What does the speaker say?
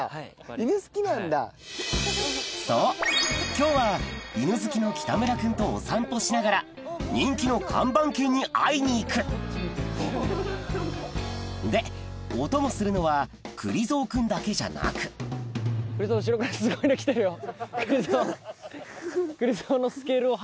そう今日は犬好きの北村君とお散歩しながら人気の看板犬に会いに行くでお供するのはくり蔵くんだけじゃなくくり蔵。